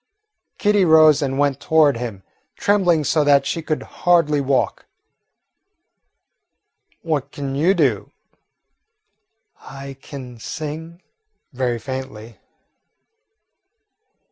Kitty rose and went toward him, trembling so that she could hardly walk. "What can you do?" "I can sing," very faintly.